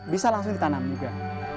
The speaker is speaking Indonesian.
bisa langsung ditanam juga